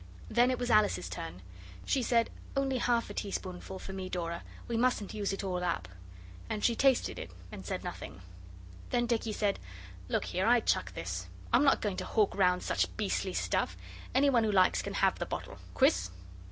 Then it was Alice's turn. She said, 'Only half a teaspoonful for me, Dora. We mustn't use it all up.' And she tasted it and said nothing. Then Dicky said: 'Look here, I chuck this. I'm not going to hawk round such beastly stuff. Any one who likes can have the bottle. Quis?